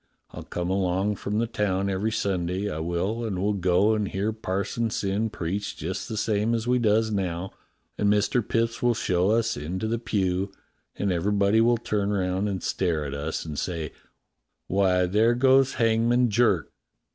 I'll come along from the town every Sunday, I will, and we'll go and hear Parson Syn preach just the same as we does now, and Mister Mipps will show us into the pew, and everybody will turn round and stare at us and say: *Why, there goes Hangman Jerk!'